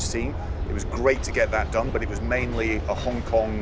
bagus untuk dilakukan tapi terutama dengan kumpulan hongkong